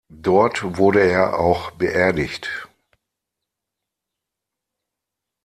Dort wurde er auch beerdigt.